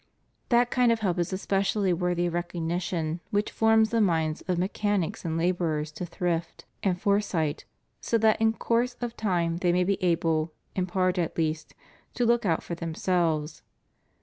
That kind of help is especially worthy of recognition which forms the minds of mechanics and laborers to thrift and foresight so that in course of time they may be able, in part at least to look out for themselves.